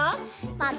また。